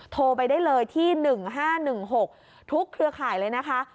โทรไปได้เลยที่๑๕๑๖ทุกเครือข่ายเลยนะคะ